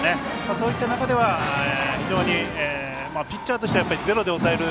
そういった中では非常に、ピッチャーとしてはやっぱりゼロで抑える。